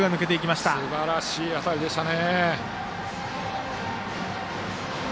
すばらしい当たりでしたね。